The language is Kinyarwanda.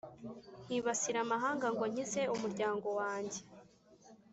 nkibasira amahanga ngo nkize umuryango wanjye.